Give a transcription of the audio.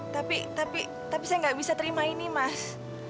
tapi tapi tapi saya gak bisa terima ini mas